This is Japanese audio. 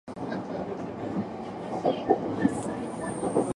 南アフリカの行政首都はプレトリアである